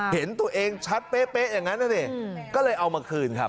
เห็นตัวเองชัดเป๊ะอย่างนั้นนะดิก็เลยเอามาคืนครับ